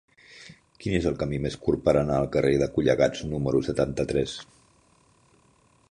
Quin és el camí més curt per anar al carrer de Collegats número setanta-tres?